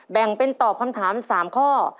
แบ่งเป็นตอบคำถาม๓ข้อ